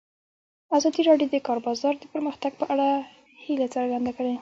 ازادي راډیو د د کار بازار د پرمختګ په اړه هیله څرګنده کړې.